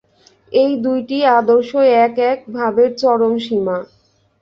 এই দুইটি আদর্শই এক এক ভাবের চরম সীমা।